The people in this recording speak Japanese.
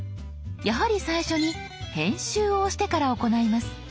やはり最初に「編集」を押してから行います。